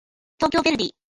東京ヴェルディ